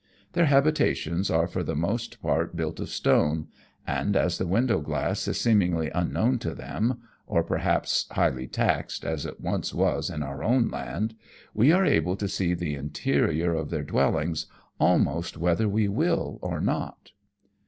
Their habitations are for the most part built of stone, and as window glass is seemingly unknown to them (or perhaps highly taxed, as it once was in our own land) we are able to see the interior of their dwellings, almost whether we will or not.